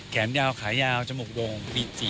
แข็งได้ดาวขาย๊าวจมุกดง